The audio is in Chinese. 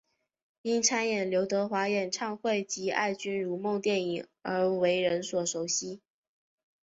因参演刘德华演唱会及爱君如梦电影而为人所熟悉。